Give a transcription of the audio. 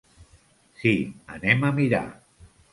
Si anem a mirar.